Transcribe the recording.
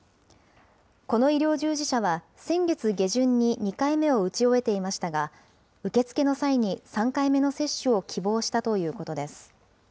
この医療従事者は、先月下旬に２回目を打ち終えていましたが、受け付けの際に３回目の接種を希望したということです。